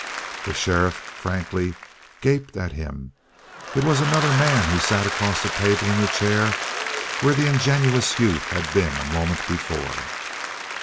The sheriff frankly gaped at him. It was another man who sat across the table in the chair where the ingenuous youth had been a moment before.